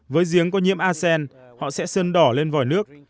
với giếng có nhiễm asean họ sẽ sơn đỏ lên vòi nước